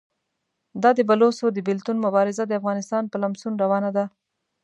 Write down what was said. دا د بلوڅو د بېلتون مبارزه د افغانستان په لمسون روانه ده.